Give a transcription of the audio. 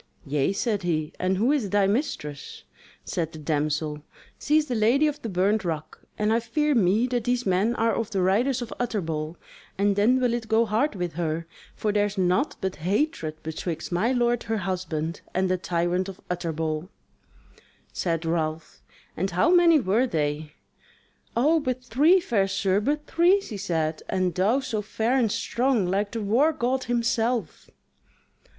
"Yea," said he, "and who is thy mistress?" Said the damsel: "She is the Lady of the Burnt Rock; and I fear me that these men are of the Riders of Utterbol; and then will it go hard with her; for there is naught but hatred betwixt my lord her husband and the tyrant of Utterbol." Said Ralph: "And how many were they?" "O but three, fair sir, but three," she said; "and thou so fair and strong, like the war god himself."